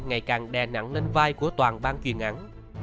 ngày càng đè nặng lên vai của toàn bàn chuyên án